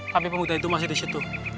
tapi pemuda itu masih di situ